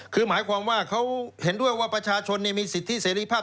คือหมายความว่าเขาเห็นด้วยว่าประชาชนมีสิทธิเสรีภาพ